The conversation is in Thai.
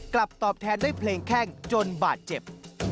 ตอบแทนด้วยเพลงแข้งจนบาดเจ็บ